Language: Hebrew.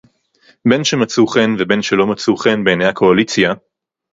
בין שמצאו חן ובין שלא מצאו חן בעיני הקואליציה